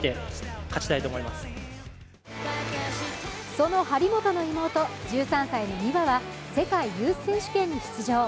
その張本の妹、１３歳の美和は世界ユース選手権に出場。